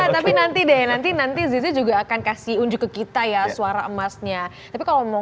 tapi nanti deh nanti nanti zizi juga akan kasih unjuk ke kita ya suara emasnya tapi kalau mau